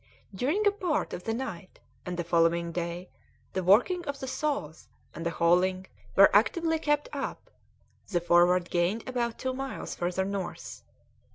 During a part of the night and the following day the working of the saws and the hauling were actively kept up; the Forward gained about two miles further north.